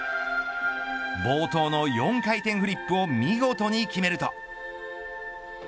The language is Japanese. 冒頭の４回転フリップを見事に決めると。